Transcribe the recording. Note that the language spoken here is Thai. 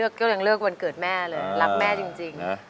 ก็ยังเลิกวันเกิดแม่เลยรักแม่จริง